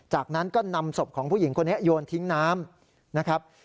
จากนั้นก็นำศพของผู้หญิงคนนี้โยนทิ้งน้ำนะครับ